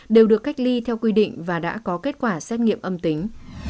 đều được cách ly theo quy định và đã có kết quả xét nghiệm âm tính